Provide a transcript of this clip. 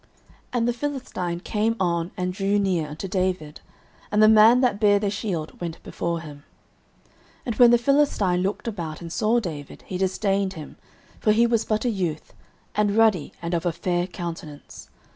09:017:041 And the Philistine came on and drew near unto David; and the man that bare the shield went before him. 09:017:042 And when the Philistine looked about, and saw David, he disdained him: for he was but a youth, and ruddy, and of a fair countenance.